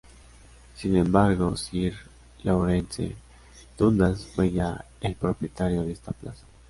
Sin embargo, Sir Lawrence Dundas fue ya el propietario de esta plaza.